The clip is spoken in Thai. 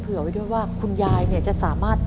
แบบช่วยดูเสลจคือทำทุกอย่างที่ให้น้องอยู่กับแม่ได้นานที่สุด